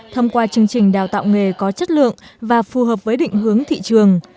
thông qua chương trình đào tạo nghề có chất lượng và phù hợp với định hướng thị trường